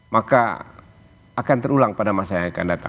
maka akan terulang pada masa yang akan datang